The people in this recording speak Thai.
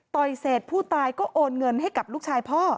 เสร็จผู้ตายก็โอนเงินให้กับลูกชายพ่อ